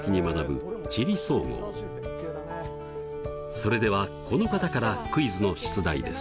それではこの方からクイズの出題です。